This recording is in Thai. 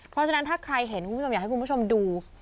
เพราะฉะนั้นถ้าใครเห็นคุณผู้ชมอยากให้คุณผู้ชมดู